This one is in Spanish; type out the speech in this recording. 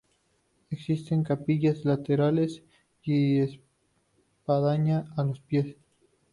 Existen capillas laterales y espadaña a los pies.